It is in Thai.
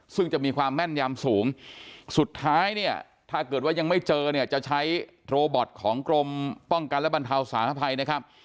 ซึ่งจะมีความแม่นยำสูงสุดท้ายเนี่ยถ้าเกิดว่ายังไม่เจอเนี่ยจะใช้โรบอทของกรมป้องกันและบรรเทาสาธภัยนะครับ